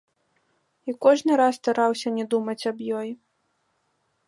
І кожны раз стараўся не думаць аб ёй.